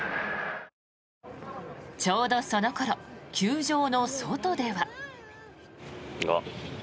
ちょうどその頃球場の外では。